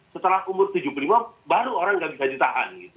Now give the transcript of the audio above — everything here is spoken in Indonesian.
setelah umur tujuh puluh lima baru orang nggak bisa ditahan gitu